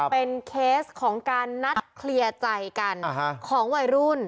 เป็นเคสของการนัดเคลียร์ใจกันของวัยรุ่น